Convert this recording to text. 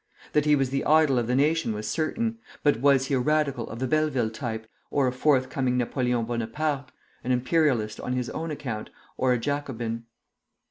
That he was the idol of the nation was certain; but was he a Radical of the Belleville type, or a forthcoming Napoleon Bonaparte, an Imperialist on his own account, or a Jacobin?